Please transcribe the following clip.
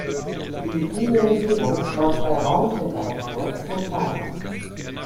Die Dimerisierung läuft bei Raumtemperatur spontan ab.